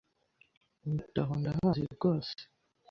Undi ati aho Ndahazi rwose.